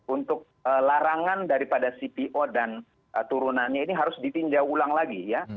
untuk larangan daripada cpo dan turunannya ini harus ditinjau ulang lagi ya